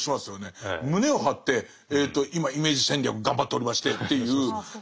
胸を張って「今イメージ戦略頑張っておりまして」っていう。